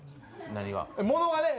何が？